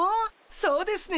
そうですね。